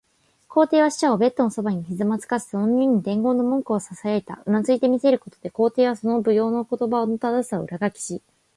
皇帝は使者をベッドのそばにひざまずかせ、その耳にその伝言の文句をささやいた。うなずいて見せることで、皇帝はその復誦の言葉の正しさを裏書きした。